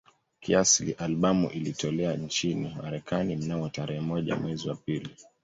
Kiasili albamu ilitolewa nchini Marekani mnamo tarehe moja mwezi wa pili